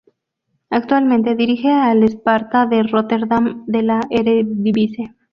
Actualmente dirige al Sparta de Rotterdam de la Eredivisie.